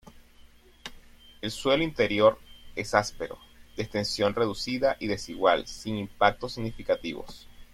El suelo interior es áspero, de extensión reducida y desigual, sin impactos significativos.